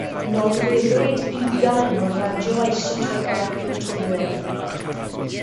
Nodweddwyd ugain o radioisotopau plwtoniwm.